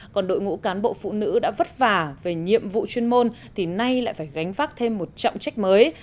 còn đội ngũ cán bộ phụ nữ đã vất vả về nhiệm vụ chuyên môn thì nay lại phải gánh vác thêm một trọng trách mới